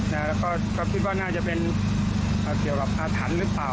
แล้วก็คิดว่าน่าจะเป็นเกี่ยวกับอาถรรพ์หรือเปล่า